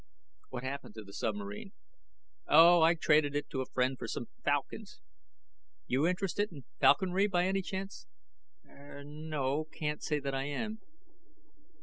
"What happened to the submarine?" "Oh, I traded it to a friend for some falcons. You interested in falconry by any chance?" "Er, no. Can't say that I am."